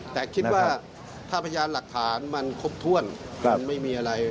แต่คิดว่าถ้าพยานหลักฐานมันครบถ้วนมันไม่มีอะไร